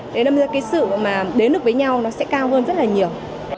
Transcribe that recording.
để làm ra cái sự mà đến được với nhau nó sẽ cao hơn rất là nhiều